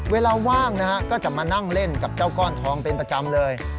ว่างนะฮะก็จะมานั่งเล่นกับเจ้าก้อนทองเป็นประจำเลย